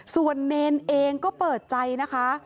ส่วนเนรเองก็เปิดใจนะคะ